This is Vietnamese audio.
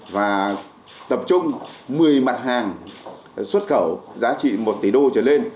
và tập trung một mươi mặt hàng xuất khẩu giá trị một tỷ đô trở lên